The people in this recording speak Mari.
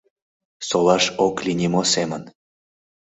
Солаш ок лий нимо семын.